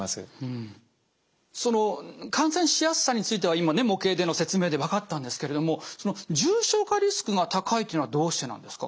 その感染しやすさについては今ね模型での説明で分かったんですけれどもその重症化リスクが高いというのはどうしてなんですか？